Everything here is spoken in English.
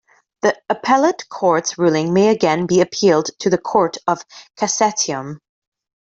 The appellate court's ruling may again be appealed to the Court of Cassatiom.